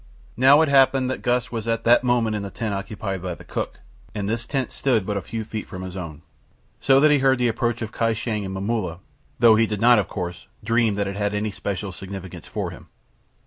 Now it happened that Gust was at that moment in the tent occupied by the cook, and this tent stood but a few feet from his own. So that he heard the approach of Kai Shang and Momulla, though he did not, of course, dream that it had any special significance for him.